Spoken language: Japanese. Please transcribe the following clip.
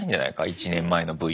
１年前のＶと。